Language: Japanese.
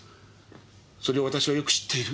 それを私はよく知っている。